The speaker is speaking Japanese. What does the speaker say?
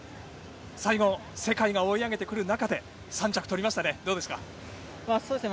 最後、世界が追い上げてくる中で３着をとりましたね。